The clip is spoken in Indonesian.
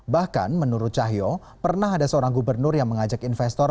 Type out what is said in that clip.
bahkan menurut cahyo pernah ada seorang gubernur yang mengajak investor